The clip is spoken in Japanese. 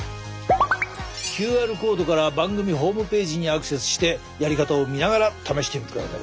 ＱＲコードから番組ホームページにアクセスしてやり方を見ながら試してみてください。